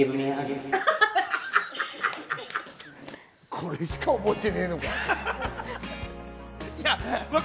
これしか覚えてねえのか。